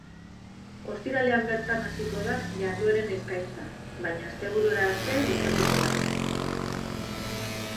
Ostiralean bertan hasiko da jardueren eskaintza, baina asteburura arte luzatuko da.